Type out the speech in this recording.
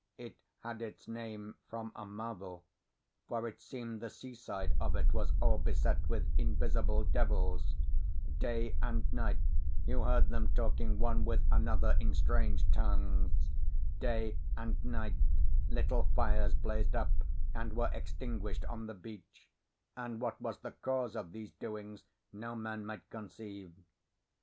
It had its name from a marvel, for it seemed the seaside of it was all beset with invisible devils; day and night you heard them talking one with another in strange tongues; day and night little fires blazed up and were extinguished on the beach; and what was the cause of these doings no man might conceive.